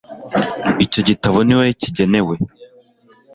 icyo gitabo ni wowe kigenewe